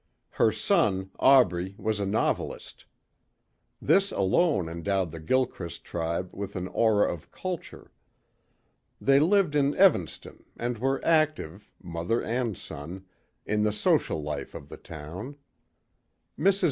Her son Aubrey was a novelist. This alone endowed the Gilchrist tribe with an aura of culture. They lived in Evanston and were active, mother and son, in the social life of the town. Mrs.